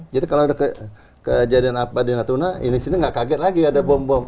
jadi kalau ada kejadian apa di natuna ini sini nggak kaget lagi ada bom bom